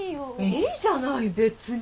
いいじゃない別に。